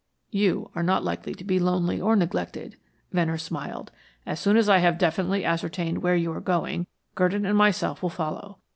"You are not likely to be lonely or neglected," Venner smiled. "As soon as I have definitely ascertained where you are going, Gurdon and myself will follow.